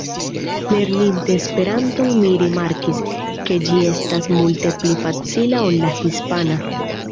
Lerninte Esperanton mi rimarkis, ke ĝi estas multe pli facila ol la hispana.